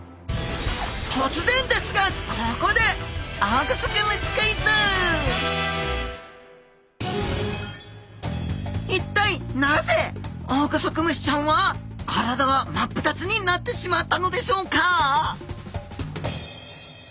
突然ですがここで一体なぜオオグソクムシちゃんは体が真っ二つになってしまったのでしょうか？